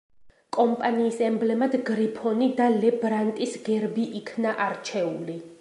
კომპანიის ემბლემად გრიფონი და ლე ბრანტის გერბი იქნა არჩეული.